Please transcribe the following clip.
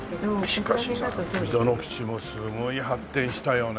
しかしさ溝の口もすごい発展したよね。